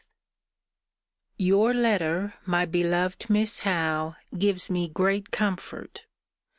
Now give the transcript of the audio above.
Your letter, my beloved Miss Howe, gives me great comfort.